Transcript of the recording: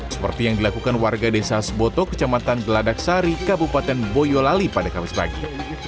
seperti yang dilakukan warga desa seboto kecamatan geladaksari kabupaten boyolali pada kamis pagi